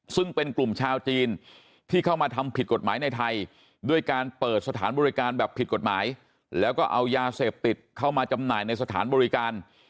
ซึ่งเป็นกลุ่มชาวจีนที่เข้ามาทำผิดกฎหมายในไทยด้วยการเปิดสถานบริการแบบผิดกฎหมายแล้วก็เอายาเสพติดเข้ามาจำหน่ายในสถานบริการ